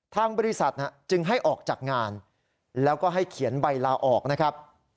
ทางบริษัทจึงให้ออกจากงานแล้วก็ให้เขียนใบลาออกนะครับ